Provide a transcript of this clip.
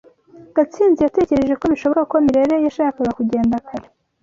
Gatsinzi yatekereje ko bishoboka ko Mirelle yashakaga kugenda kare.